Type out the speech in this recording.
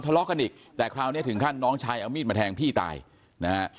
ที่เกิดเกิดเหตุอยู่หมู่๖บ้านน้ำผู้ตะมนต์ทุ่งโพนะครับที่เกิดเกิดเหตุอยู่หมู่๖บ้านน้ำผู้ตะมนต์ทุ่งโพนะครับ